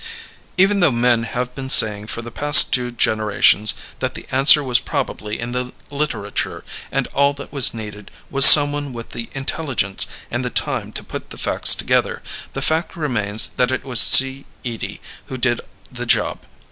"Even though men have been saying for the past two generations that the answer was probably in the literature and all that was needed was someone with the intelligence and the time to put the facts together, the fact remains that it was C. Edie who did the job.